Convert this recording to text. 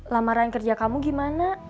lamaran kerja kamu gimana